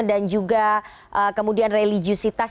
dan juga kemudian religiositas